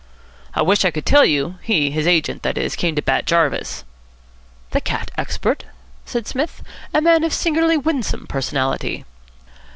"I wish I could tell you. He his agent, that is came to Bat Jarvis." "The cat expert?" said Psmith. "A man of singularly winsome personality."